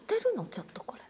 ちょっとこれ。